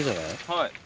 はい。